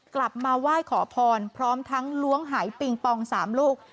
กลับมาไหว้ขอพรพร้อมทั้งล้วงหายปิงปอง๓ลูก